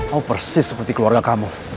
mau persis seperti keluarga kamu